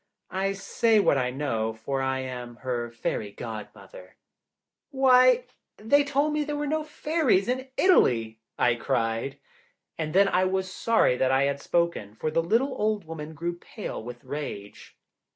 I say what I know, for I am her Fairy Godmother." [Footnote 2: Crane's Italian Fairy Tales] "Why, they told me there were no Fairies in Italy!" I cried. And then I was sorry that I had spoken, for the little old woman grew pale with rage.